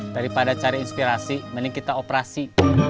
daripada cari inspirasi mending kita operasi